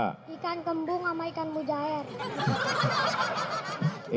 ikan kembung sama ikan mujair